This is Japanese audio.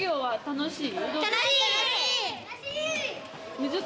楽しい！